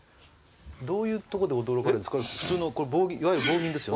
どういうとこで驚かれるんです？